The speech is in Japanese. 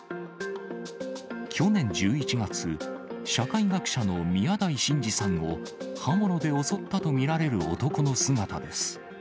去年１１月、社会学者の宮台真司さんを刃物で襲ったと見られる男の姿です。